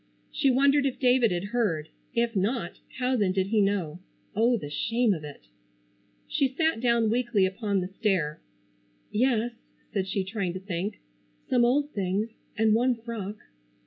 She wondered if David had heard. If not, how then did he know? Oh, the shame of it! She sat down weakly upon the stair. "Yes," said she, trying to think. "Some old things, and one frock."